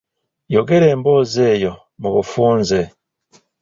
Yogera emboozi eyo mu bufunze.